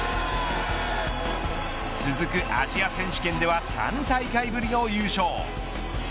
続くアジア選手権では３大会ぶりの優勝。